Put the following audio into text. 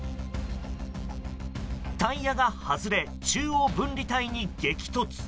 タイヤが外れ中央分離帯に激突。